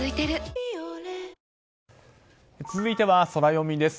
「ビオレ」続いてはソラよみです。